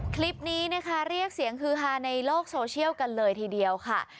คลิปนี้นะคะเรียกเสียงฮือฮาในโลกโซเชียลกันเลยทีเดียวค่ะ